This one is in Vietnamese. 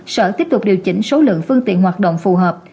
sở tiếp tục điều chỉnh số lượng phương tiện hoạt động phù hợp